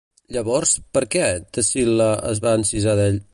Llavors, per què Ctesil·la es va encisar d'ell?